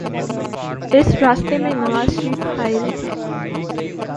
اس راستے میں نوازشریف حائل ہیں۔